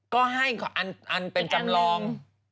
ก็ให้อันเป็นจำลอง